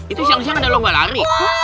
itu siang siang ada lo gak lari